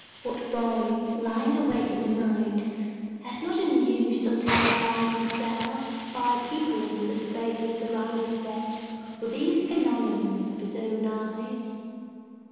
What boy, lying awake at night, has not amused or terrified himself by peopling the spaces around his bed with these phenomena of his own eyes?